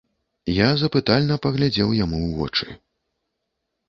Я запытальна паглядзеў яму ў вочы.